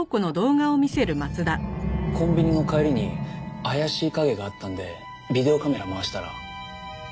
コンビニの帰りに怪しい影があったんでビデオカメラ回したら。